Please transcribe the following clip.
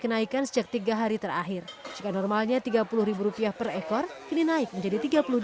kenaikan sejak tiga hari terakhir jika normalnya tiga puluh rupiah per ekor kini naik menjadi tiga puluh dua